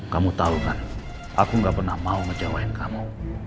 kamu tahu kan aku gak pernah mau ngecewain kamu